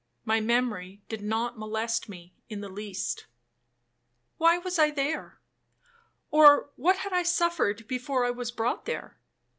My memory did not molest me in the least. Why I was there? or what I had suffered before I was brought there?